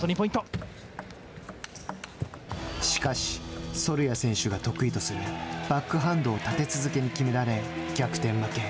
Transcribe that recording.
しかし、ソルヤ選手が得意とするバックハンドを立て続けに決められ逆転負け。